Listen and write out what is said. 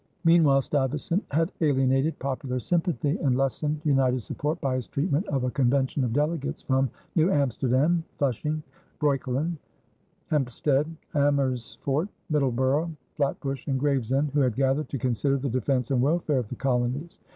Meanwhile Stuyvesant had alienated popular sympathy and lessened united support by his treatment of a convention of delegates from New Amsterdam, Flushing, Breuckelen, Hempstead, Amersfort, Middleburgh, Flatbush, and Gravesend who had gathered to consider the defense and welfare of the colonies.